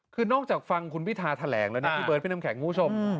คือนอกจากฟังคุณพิธาแถลงแล้วนะพี่เบิร์ดพี่น้ำแข็งคุณผู้ชม